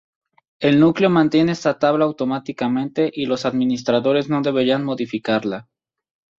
El núcleo mantiene esta tabla automáticamente y los administradores no deberían modificarla.